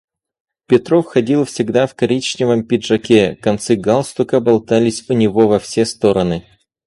Петров ходил всегда в коричневом пиджаке, концы галстука болтались у него во все стороны.